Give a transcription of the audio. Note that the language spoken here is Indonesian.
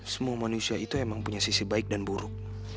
semua manusia itu memang punya sisi baik dan buruk